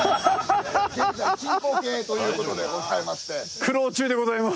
現在進行形ということでございまして苦労中でございます